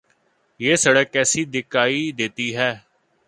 یہ سڑک کیسی دکھائی دیتی تھی۔